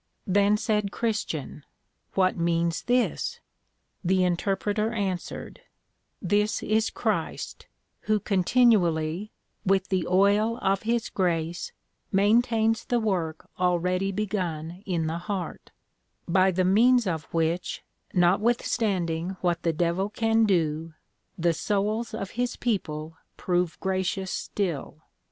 Then said Christian, What means this? The Interpreter answered, This is Christ, who continually, with the Oil of his Grace, maintains the work already begun in the heart: by the means of which notwithstanding what the Devil can do, the souls of his people prove gracious still.